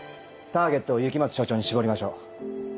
ターゲットを雪松署長に絞りましょう。